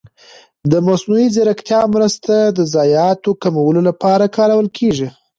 د مصنوعي ځېرکتیا مرسته د ضایعاتو کمولو لپاره کارول کېږي.